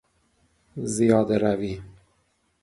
زیاده روی